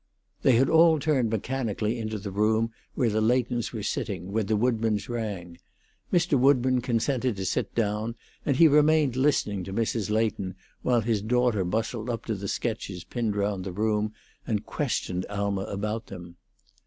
They had all turned mechanically into the room where the Leightons were sitting when the Woodburns rang: Mr. Woodburn consented to sit down, and he remained listening to Mrs. Leighton while his daughter bustled up to the sketches pinned round the room and questioned Alma about them.